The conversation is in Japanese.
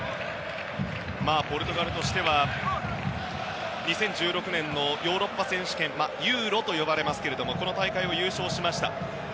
ポルトガルとしては２０１６年のヨーロッパ選手権ＥＵＲＯと呼ばれますがこの大会を優勝しました。